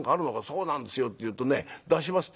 『そうなんですよ』って言うとね出します